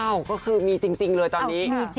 ก็คือมีจริงเลยตอนนี้